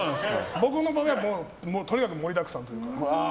僕の場合は盛りだくさんというか。